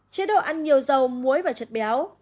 chế độ ăn nhiều dầu muối và chất béo